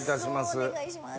お願いします。